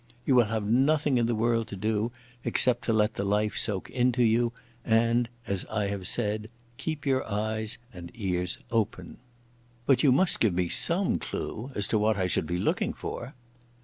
You will have nothing in the world to do except to let the life soak into you, and, as I have said, keep your eyes and ears open." "But you must give me some clue as to what I should be looking for?"